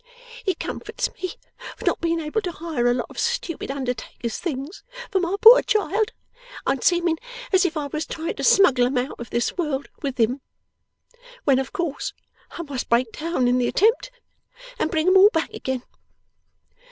It comforts me for not being able to hire a lot of stupid undertaker's things for my poor child, and seeming as if I was trying to smuggle 'em out of this world with him, when of course I must break down in the attempt, and bring 'em all back again.